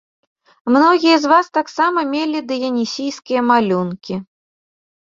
Многія з ваз таксама мелі дыянісійскія малюнкі.